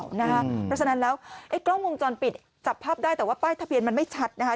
เพราะฉะนั้นแล้วไอ้กล้องวงจรปิดจับภาพได้แต่ว่าป้ายทะเบียนมันไม่ชัดนะคะ